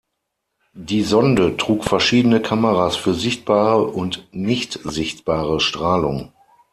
Die Sonde trug verschiedene Kameras für sichtbare und nicht sichtbare Strahlung.